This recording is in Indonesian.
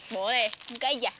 boleh buka aja